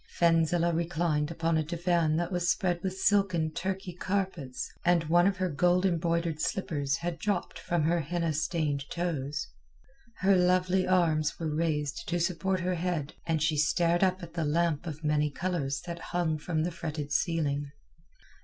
Fenzileh reclined upon a divan that was spread with silken Turkey carpets, and one of her gold embroidered slippers had dropped from her henna stained toes. Her lovely arms were raised to support her head, and she stared up at the lamp of many colours that hung from the fretted ceiling.